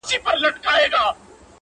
ككرۍ چي يې وهلې د بتانو-